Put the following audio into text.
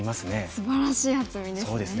すばらしい厚みですね。